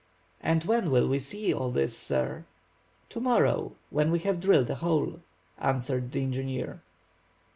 "And when will we see all this, sir?" "To morrow," when we have drilled a hole," answered the engineer.